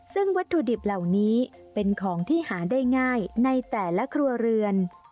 ซึ่งวัตถุดิบเหล่านี้เป็นของที่หาได้ง่ายในแต่ละครัวเรือน